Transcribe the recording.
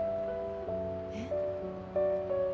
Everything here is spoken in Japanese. えっ？